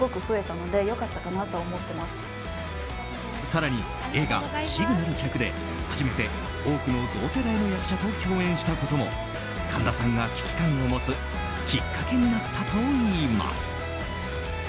更に映画「シグナル１００」で初めて多くの同世代の役者と共演したことも神田さんが危機感を持つきっかけになったといいます。